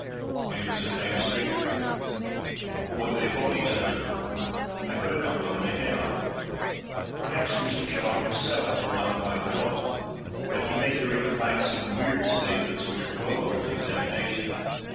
And it was a famous victory. But what they fought each other for I could not well make out. Perhaps Mr Shaw himself did not quite know. But he made during the fight some weird statements which are well worth examination.